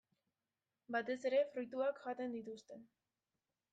Batez ere fruituak jaten dituzte.